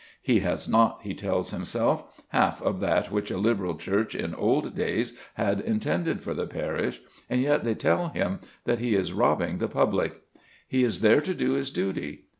He has not, he tells himself, half of that which a liberal Church in old days had intended for the parish, and yet they tell him that he is robbing the public! He is there to do his duty.